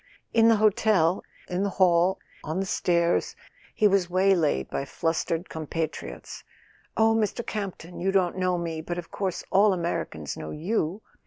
In the hotel, in the hall, on the stairs, he was waylaid by flustered compatriots— "Oh* Mr. Campton, you don't know me, but of course all Amer¬ icans know you